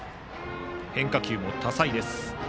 変化球も多彩です。